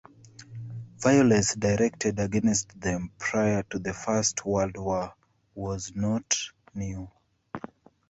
Violence directed against them prior to the First World War was not new.